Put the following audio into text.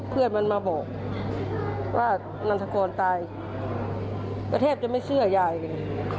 เพื่อนมันมาบอกว่านันทกรตายก็แทบจะไม่เชื่อยายเลย